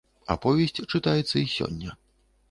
Аповесць чытаецца і сёння.